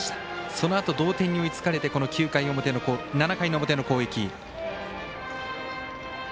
そのあと、同点に追いつかれてこの７回表の攻撃。